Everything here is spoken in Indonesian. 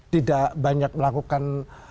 tidak banyak melakukan